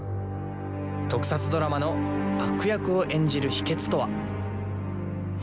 特撮ドラマの悪役を演じる秘けつとは。